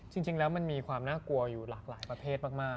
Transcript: จริงแล้วมันมีความน่ากลัวอยู่หลากหลายประเทศมาก